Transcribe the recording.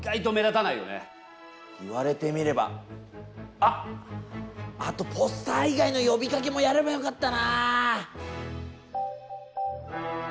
あっあとポスター以外の呼びかけもやればよかったな。